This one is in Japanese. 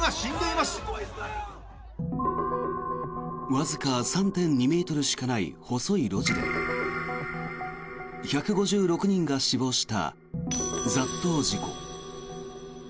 わずか３．２ｍしかない細い路地で１５６人が死亡した雑踏事故。